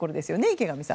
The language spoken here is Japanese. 池上さん。